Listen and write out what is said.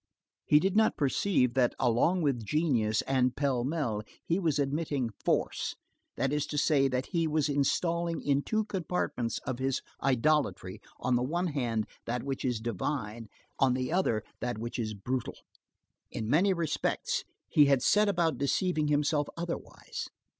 He did not perceive that, along with genius, and pell mell, he was admitting force, that is to say, that he was installing in two compartments of his idolatry, on the one hand that which is divine, on the other that which is brutal. In many respects, he had set about deceiving himself otherwise.